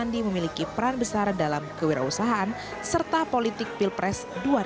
sandiaga ini memiliki peran besar dalam kewirausahaan serta politik pilpres dua ribu sembilan belas